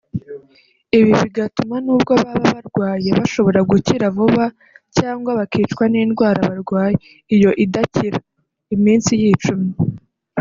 ibi bigatuma nubwo baba barwaye bashobora gukira vuba cyangwa bakicwa n’indwara barwaye (iyo idakira) iminsi yicumye